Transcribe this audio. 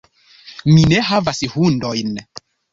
Mi ne havas hundojn.